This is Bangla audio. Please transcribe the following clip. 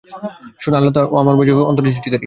শোন, আল্লাহ তোমার ও আমার মাঝে অন্তরায় সৃষ্টিকারী।